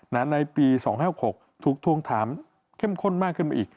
ในปี๒๕๖ถูกทวงถามเข้มข้นมากขึ้นมาอีก